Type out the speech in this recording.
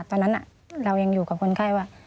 ตอนนั้นเรายังอยู่กับคนไข้ว่า